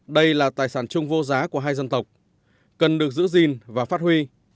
đây là tài sản chung vô giá của hai dân tộc cần được giữ gìn và phát huy